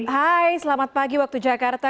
hai selamat pagi waktu jakarta